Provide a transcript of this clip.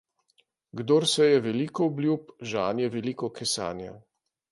Kdor seje veliko obljub, žanje veliko kesanja.